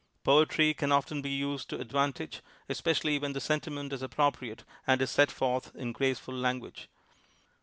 Poetry can often be used to advantag'e, especially when the sentiment is appropriate and is set forth in graceful language.